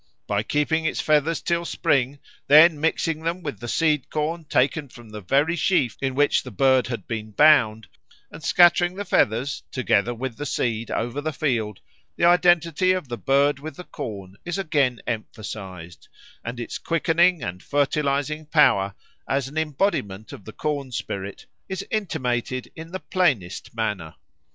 By keeping its feathers till spring, then mixing them with the seed corn taken from the very sheaf in which the bird had been bound, and scattering the feathers together with the seed over the field, the identity of the bird with the corn is again emphasised, and its quickening and fertilising power, as an embodiment of the corn spirit, is intimated in the plainest manner.